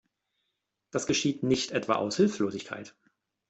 Das geschieht nicht etwa aus Hilflosigkeit.